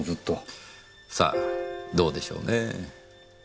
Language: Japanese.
さあどうでしょうねぇ。